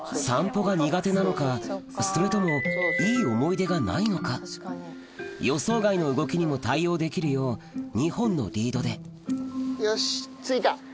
散歩が苦手なのかそれともいい思い出がないのか予想外の動きにも対応できるよう２本のリードでよしついた！